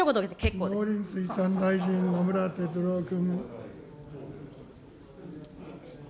農林水産大臣、野村哲郎君。